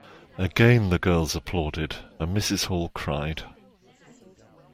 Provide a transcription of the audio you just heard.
Again the girls applauded, and Mrs Hall cried.